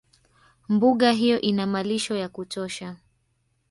Mbuga hiyo ina malisho ya kutosha